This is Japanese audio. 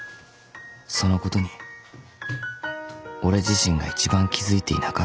［そのことに俺自身が一番気付いていなかった］